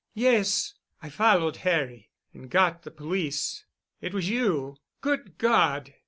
"Yes. I followed Harry, and got the police——" "It was you? Good God!"